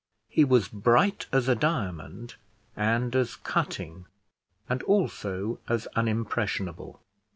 He was bright as a diamond, and as cutting, and also as unimpressionable.